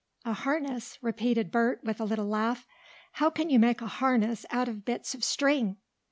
"A harness?" repeated Bert, with a little laugh. "How can you make a harness out of bits of string?"